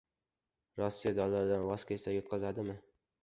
Rossiya dollardan voz kechsa, yutqazadimi?